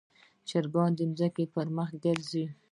چرګان د ځمکې پر مخ ګرځي.